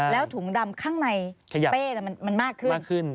แล้วถุงดำข้างในเป้มันมากขึ้น